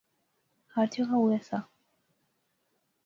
ہر جاغا اوہے سا